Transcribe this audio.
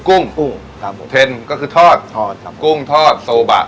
กุ้งกุ้งครับผมเทนก็คือทอดทอดครับกุ้งทอดโซบะ